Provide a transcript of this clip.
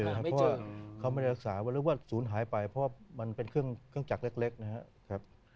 เพราะว่าเขาไม่ได้รักษาหรือว่าศูนย์หายไปเพราะเป็นเครื่องจากเล็ก